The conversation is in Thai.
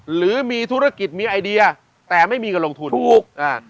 หรือมีธุรกิจมีไอเดียแต่ไม่มีเงินลงทุนถูกอ่า